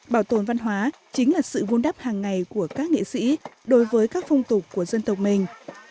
bảo tồn văn hóa chính là sự vun đắp hàng ngày của các nghệ sĩ đối với các phong tục của dân tộc mình